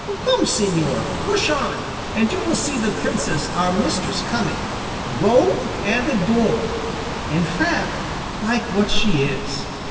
Come, señor, push on, and you will see the princess our mistress coming, robed and adorned in fact, like what she is.